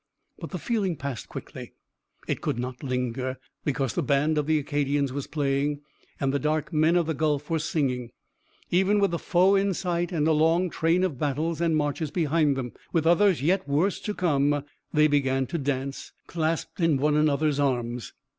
But the feeling passed quickly. It could not linger, because the band of the Acadians was playing, and the dark men of the Gulf were singing. Even with the foe in sight, and a long train of battles and marches behind them, with others yet worse to come, they began to dance, clasped in one another's arms.